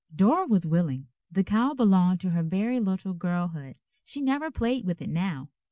Dora was willing. The cow belonged to her very little girlhood. She never played with it now.